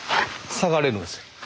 下がれるんです。